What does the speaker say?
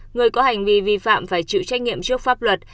người có hành vi vi phạm phải chịu trách nhiệm trước pháp luật